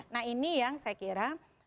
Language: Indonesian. nah ini yang saya kira